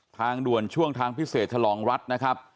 ทางด่วนช่วงทางพิเศษฉลองรัฐนะครับ